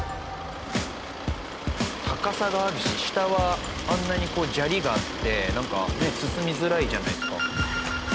高さがあるし下はあんなにこう砂利があってなんかね進みづらいじゃないですか。